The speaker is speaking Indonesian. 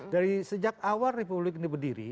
dari sejak awal republik ini berdiri